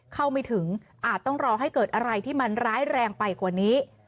เข้าไม่ถึงอาจต้องรอให้เกิดอะไรที่มันร้ายแรงไปกว่านี้